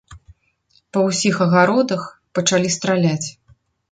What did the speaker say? Па ўсіх агародах пачалі страляць.